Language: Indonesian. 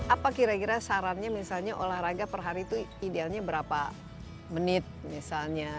apa kira kira sarannya misalnya olahraga per hari itu idealnya berapa menit misalnya